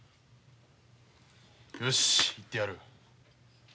よし言ってやる。